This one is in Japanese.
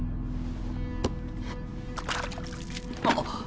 あっ。